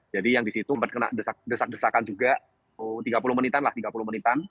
jadi yang di situ rebet kena desak desakan juga tiga puluh menitan lah tiga puluh menitan